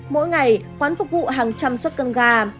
mỗi ngày quán phục vụ hàng trăm suất cơm gà